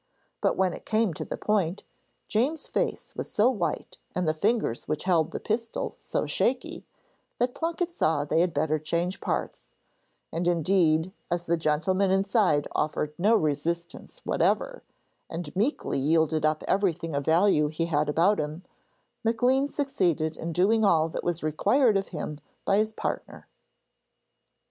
But when it came to the point, James's face was so white, and the fingers which held the pistol so shaky, that Plunket saw they had better change parts, and indeed, as the gentleman inside offered no resistance whatever, and meekly yielded up everything of value he had about him, Maclean succeeded in doing all that was required of him by his partner.